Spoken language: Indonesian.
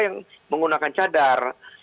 yang menggunakan cadar